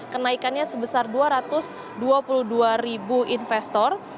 kenaikannya sebesar dua ratus dua puluh dua ribu investor